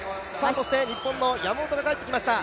そして日本の山本が帰ってきました。